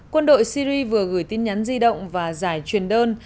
quân đội syri vừa gửi tin nhắn di động và giải truyền đơn